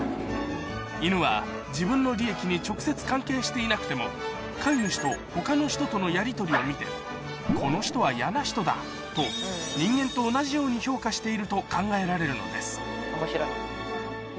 イヌは自分の利益に直接関係していなくても飼い主と他の人とのやりとりを見て「この人は嫌な人だ」と人間と同じように評価していると考えられるのです面白い。